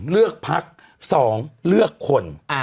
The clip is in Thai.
เลือกพัก๒เลือกคน